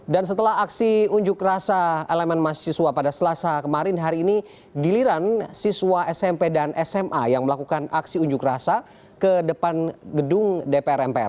dan setelah aksi unjuk rasa elemen mas siswa pada selasa kemarin hari ini diliran siswa smp dan sma yang melakukan aksi unjuk rasa ke depan gedung dpr mpr